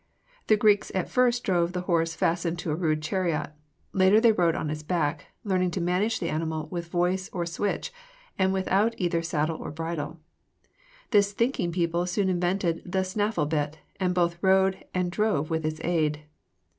The Greeks at first drove the horse fastened to a rude chariot; later they rode on its back, learning to manage the animal with voice or switch and without either saddle or bridle. This thinking people soon invented the snaffle bit, and both rode and drove with its aid.